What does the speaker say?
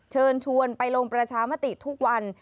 เชิญชวนไปลงประชามติทุกวัน